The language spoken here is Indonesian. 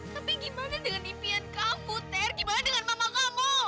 tapi gimana dengan impian kamu ter gimana dengan mama kamu